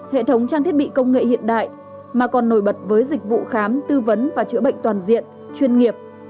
hệ thống trang thiết bị công nghệ hiện đại mà còn nổi bật với dịch vụ khám tư vấn và chữa bệnh toàn diện chuyên nghiệp